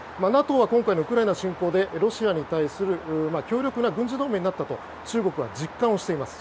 ＮＡＴＯは今回のウクライナ侵攻でロシアに対する強力な軍事同盟になったと中国は実感をしています。